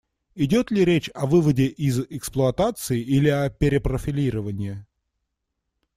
Идет ли речь о выводе из эксплуатации или о перепрофилировании?